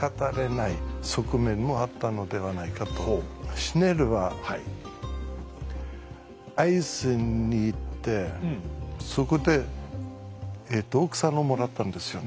シュネルは会津に行ってそこで奥さんをもらったんですよね。